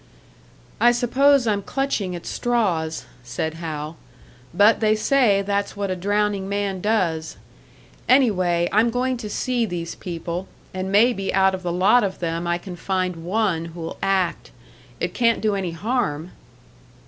"I suppose I'm clutching at straws," said Hal. "But they say that's what a drowning man does. Anyway, I'm going to see these people, and maybe out of the lot of them I can find one who'll act. It can't do any harm!"